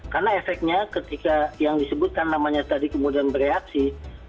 karena efeknya ketika yang disebutkan namanya tadi kemudian bereaksi